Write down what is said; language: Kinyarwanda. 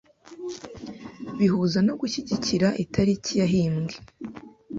bihuza no gushyigikira itariki yahimbwe